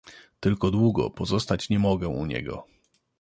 Tylko długo pozostać nie mogę u niego.